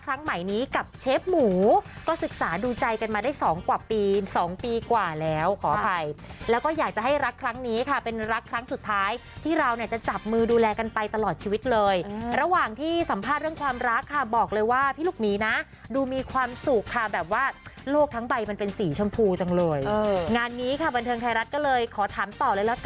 ใหม่นี้กับเชฟหมูก็ศึกษาดูใจกันมาได้สองกว่าปีสองปีกว่าแล้วขออภัยแล้วก็อยากจะให้รักครั้งนี้ค่ะเป็นรักครั้งสุดท้ายที่เราเนี่ยจะจับมือดูแลกันไปตลอดชีวิตเลยระหว่างที่สัมภาษณ์เรื่องความรักค่ะบอกเลยว่าพี่ลูกหมีนะดูมีความสุขค่ะแบบว่าโลกทั้งใบมันเป็นสีชมพูจังเลยงานนี้ค่ะบันเทิงไทยรัฐก็เลยขอถามต่อเลยแล้วต